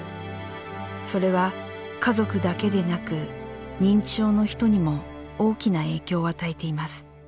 それは家族だけでなく認知症の人にも大きな影響を与えています。